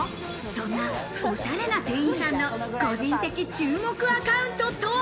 そんなオシャレな店員さんの個人的注目アカウントとは？